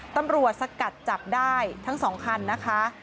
สกัดจับได้ทั้งสองคันนะคะ